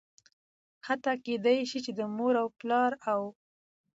حتا کيدى شي چې د پلار ،مور او